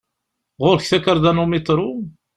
Ɣur-k takarḍa n umitṛu?